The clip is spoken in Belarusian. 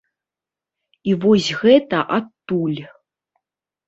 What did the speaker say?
І вось гэта адтуль.